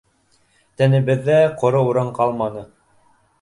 Тәнебеҙҙә ҡоро урын ҡалманы.